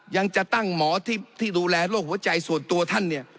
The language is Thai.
ยังจะตั้งหมอที่ดูแลโรคหัวใจส่วนตัวท่านเนี่ย